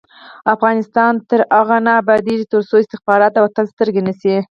افغانستان تر هغو نه ابادیږي، ترڅو استخبارات د وطن سترګې نشي.